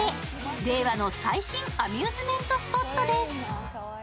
令和の最新アミューズメントスポットです。